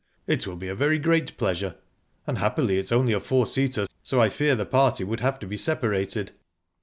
"It will be a very great pleasure. Unhappily, it's only a four seater, so I fear the party would have to be separated."